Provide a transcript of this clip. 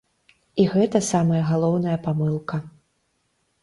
І гэта самая галоўная памылка.